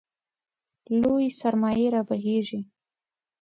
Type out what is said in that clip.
لویې سرمایې رابهېږي.